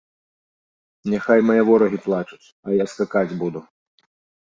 Няхай мае ворагі плачуць, а я скакаць буду.